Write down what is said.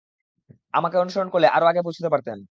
আমাকে অনুসরণ করলে, আরো আগে পৌঁছাতে পারতেন।